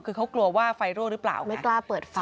คือเขากลัวว่าไฟรั่วหรือเปล่าไม่กล้าเปิดไฟ